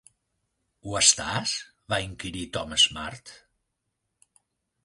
"Ho estàs?" va inquirir Tom Smart.